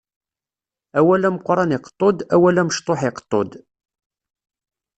Awal ameqqran iqeṭṭu-d, awal amecṭuḥ iqeṭṭu-d.